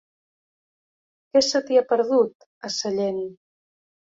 Què se t'hi ha perdut, a Sellent?